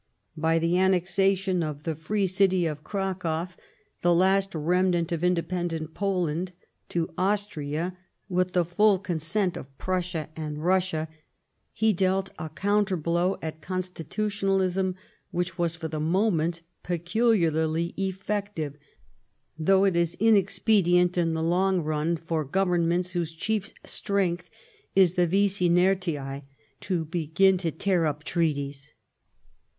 By the annexation of the free city of CracoWy the last remnant of independent Poland, to ' Austria, with the full consent of Prussia and Russia, he dealt a counterblow at Constitutionalism which ^ was for the moment peculiarly effective, though it is inexpedient in the long run for Governments whose chief strength is the vis inertia^ to begin to tear up treaties.